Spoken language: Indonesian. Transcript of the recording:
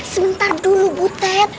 sementar dulu butet